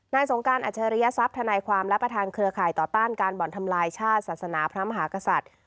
สงการอัจฉริยศัพย์ธนายความและประธานเครือข่ายต่อต้านการบ่อนทำลายชาติศาสนาพระมหากษัตริย์